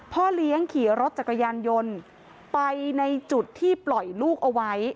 พ่อเลี้ยงขี่รถจักรยานยนต์ไปในจุดที่ปล่อยลูกเอาไว้